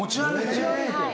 はい。